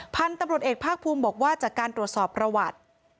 พันธุ์ตำรวจเอกภาคภูมิบอกว่าจากการตรวจสอบประวัติ